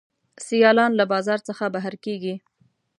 سیالان له بازار څخه بهر کیږي.